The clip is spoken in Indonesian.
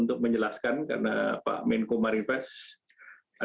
untuk menjelaskan karena pak menko maritim medan investasi lut binsar panjaitan